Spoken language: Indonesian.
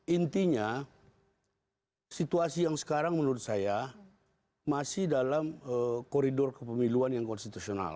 intinya situasi yang sekarang menurut saya masih dalam koridor kepemiluan yang konstitusional